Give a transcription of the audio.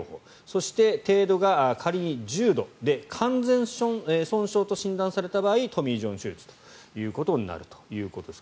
そして程度が仮に重度で完全損傷と診断された場合トミー・ジョン手術ということになるということです。